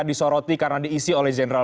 disoroti karena diisi oleh general